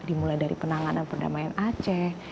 dimulai dari penanganan perdamaian aceh